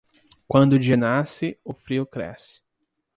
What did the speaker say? Quando o dia nasce, o frio cresce.